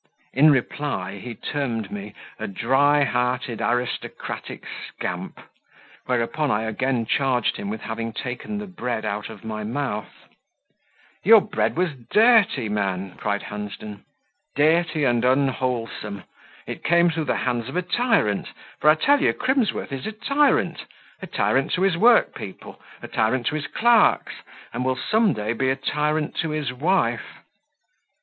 In reply he termed me "a dry hearted aristocratic scamp," whereupon I again charged him with having taken the bread out of my mouth. "Your bread was dirty, man!" cried Hunsden "dirty and unwholesome! It came through the hands of a tyrant, for I tell you Crimsworth is a tyrant, a tyrant to his workpeople, a tyrant to his clerks, and will some day be a tyrant to his wife."